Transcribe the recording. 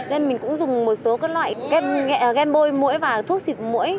nên mình cũng dùng một số các loại kem bôi mũi và thuốc xịt mũi